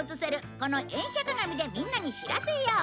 この「遠写鏡」でみんなに知らせよう。